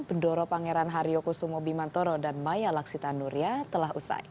bendoro pangeran haryo kusumo bimantoro dan maya laksitan nuria telah usai